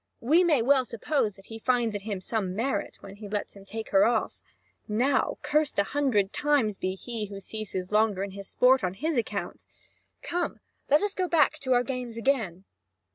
We may well suppose that he finds in him some merit, when he lets him take her off. Now cursed a hundred times be he who ceases longer his sport on his account! Come, let us go back to our games again."